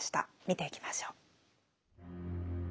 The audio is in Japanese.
見ていきましょう。